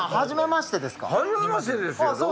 初めましてですよ。